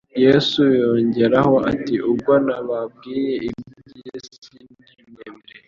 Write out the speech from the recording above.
Yesu yongeraho ati, “Ubwo nababwiye iby’isi ntimwemere,